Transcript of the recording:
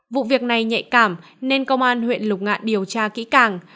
vụ việc này nhạy cảm nên công an huyện lục ngạn điều tra kỹ càng